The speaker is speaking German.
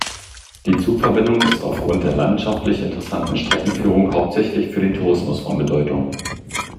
Die Zugverbindung ist aufgrund der landschaftlich interessanten Streckenführung hauptsächlich für den Tourismus von Bedeutung.